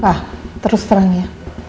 wah terus terang ya